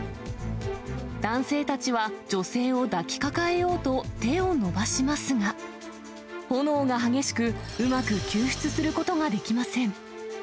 男性たちは、女性を抱きかかえようと手を伸ばしますが、炎が激しく、うまく救出することができません。